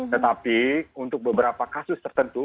tetapi untuk beberapa kasus tertentu